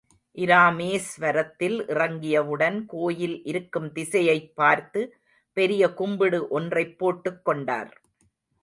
இராமேஸ்வரத்தில் இறங்கியவுடன், கோயில் இருக்கும் திசையைப் பார்த்து பெரிய கும்பிடு ஒன்றைப் போட்டுக் கொண்டார்.